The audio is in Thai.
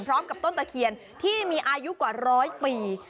พร้อมกับต้นตะเคียนที่มีอายุกว่าร้อยปี